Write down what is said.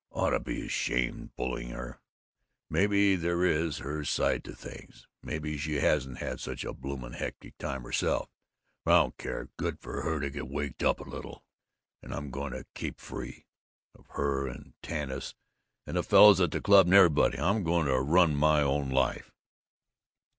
"Ought to be ashamed, bullying her. Maybe there is her side to things. Maybe she hasn't had such a bloomin' hectic time herself. But I don't care! Good for her to get waked up a little. And I'm going to keep free. Of her and Tanis and the fellows at the club and everybody. I'm going to run my own life!"